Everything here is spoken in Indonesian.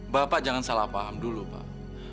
bapak jangan salah paham dulu pak